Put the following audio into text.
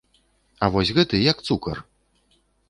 А вось гэты, як цукар!